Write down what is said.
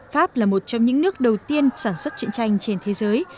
pháp là một trong những nước đầu tiên sản xuất chuyện tranh trên thế giới